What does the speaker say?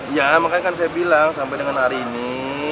ya makanya kan saya bilang sampai dengan hari ini